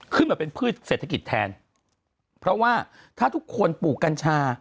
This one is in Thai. ขึ้นมาเป็นพืชเศรษฐกิจแทนเพราะว่าถ้าทุกคนปลูกกัญชา